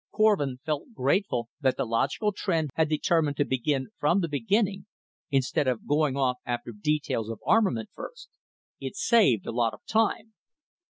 Korvin felt grateful that the logical Tr'en had determined to begin from the beginning, instead of going off after details of armament first; it saved a lot of time.